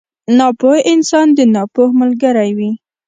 ناپوه انسان د ناپوه ملګری وي.